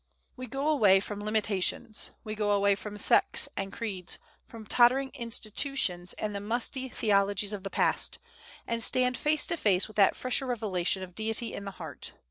We go away from limitations, we go away from sects and creeds, from tottering institutions and the musty theologies of the past, and stand face to face with that fresher revelation of Deity in the heart.